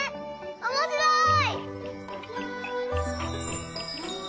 おもしろい！